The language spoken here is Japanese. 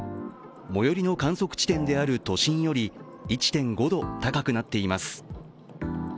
最寄りの観測地点である都心より１．５度高くなっています。